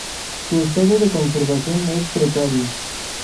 Su estado de conservación es precario.